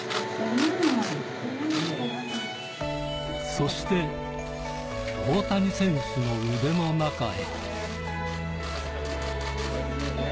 そして、大谷選手の腕の中へ。